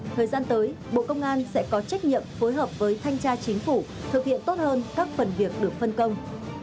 thời gian tới bộ công an sẽ có trách nhiệm phối hợp với thanh tra chính phủ thực hiện tốt hơn các phần việc được phân công